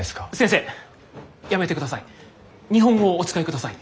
日本語をお使いください。